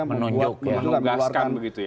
menunjukkan menugaskan begitu ya